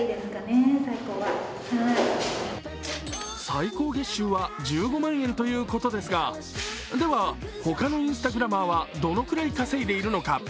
最高月収は１５万円ということですが、では他のインスタグラマーはどのくらい稼いでいるのか。